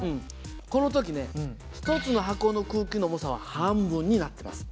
この時ね１つの箱の空気の重さは半分になってます。